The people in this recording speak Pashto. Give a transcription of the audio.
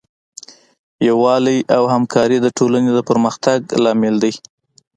یووالی او همکاري د ټولنې د پرمختګ لامل دی.